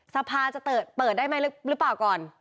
สภาจะเปิดได้ไหมหรือเปล่าก่อน